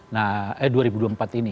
nah eh dua ribu dua puluh empat ini